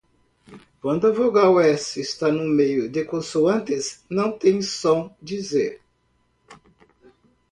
Quando vogal S está no meio de consoantes, não tem som de Z